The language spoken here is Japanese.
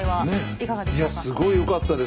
いやすごいよかったです。